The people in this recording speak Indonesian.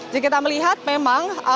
jadi kita melihat memang